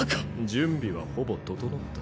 準備はほぼ整った。